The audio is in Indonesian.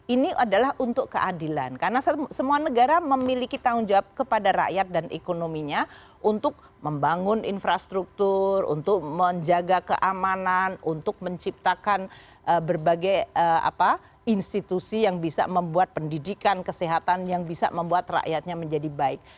ini adalah untuk keadilan karena semua negara memiliki tanggung jawab kepada rakyat dan ekonominya untuk membangun infrastruktur untuk menjaga keamanan untuk menciptakan berbagai institusi yang bisa membuat pendidikan kesehatan yang bisa membuat rakyatnya menjadi baik